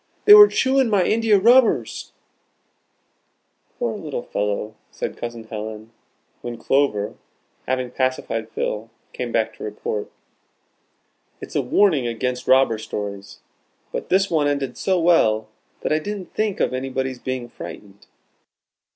They were chewing my india rubbers." "Poor little fellow!" said Cousin Helen, when Clover, having pacified Phil, came back to report. "It's a warning against robber stories. But this one ended so well, that I didn't think of anybody's being frightened."